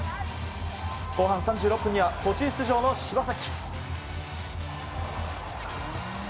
後半３６分には途中出場の柴崎。